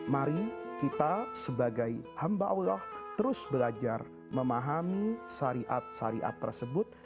mari kita sebagai hamba allah terus belajar memahami syariat syariat tersebut